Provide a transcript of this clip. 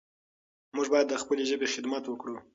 موږ باید د خپلې ژبې خدمت وکړو.